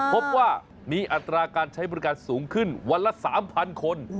พบว่ามีอัตราการใช้บริการสูงขึ้นวันละ๓๐๐คน